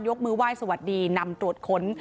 ยกมือไหว้สวัสดีนำโดดค้น